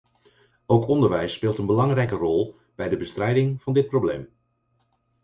Ook onderwijs speelt een bijzonder belangrijke rol bij de bestrijding van dit probleem.